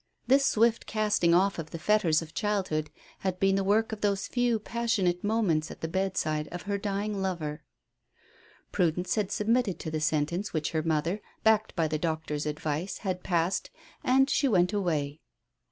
This swift casting off of the fetters of childhood had been the work of those few passionate moments at the bedside of her dying lover. Prudence had submitted to the sentence which her mother, backed by the doctor's advice, had passed, and she went away.